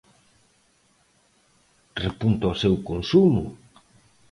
Repunta o seu consumo?